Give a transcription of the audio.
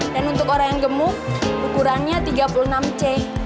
dan untuk orang yang gemuk ukurannya tiga puluh enam c